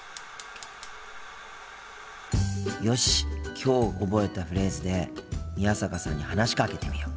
きょう覚えたフレーズで宮坂さんに話しかけてみよう。